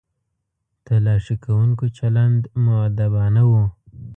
تلاښي کوونکو چلند مؤدبانه و.